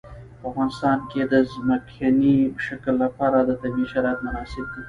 په افغانستان کې د ځمکنی شکل لپاره طبیعي شرایط مناسب دي.